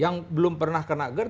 yang belum pernah kena gerd